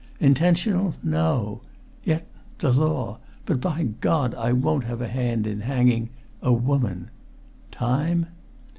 Intentional, no! Yet ... the law! But, by God, I won't have a hand in hanging ... a woman! Time?"